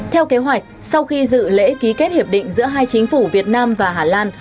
theo kế hoạch sau khi dự lễ ký kết hiệp định giữa hai chính phủ việt nam và hà lan